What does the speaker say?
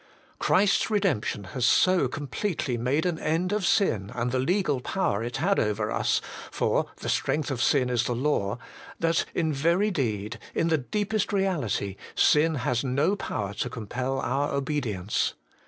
Christ's redemption has so completely made an end of sin and the legal power it had over us, for ' the strength of sin is the law,' that in very deed, in the deepest reality, sin has no power to compel our obedience.